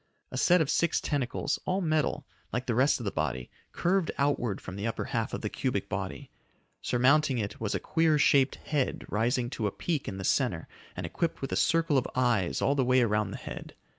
A set of six tentacles, all metal, like the rest of the body, curved outward from the upper half of the cubic body. Surmounting it was a queer shaped head rising to a peak in the center and equipped with a circle of eyes all the way around the head.